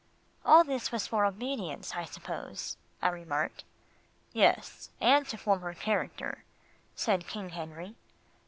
"All this was for obedience, I suppose," I remarked. "Yes, and to form her character," said King Harry.